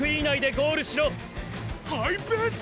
ハイペース！